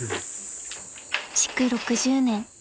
［築６０年］